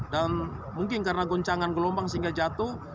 dan mungkin karena goncangan gelombang sehingga jatuh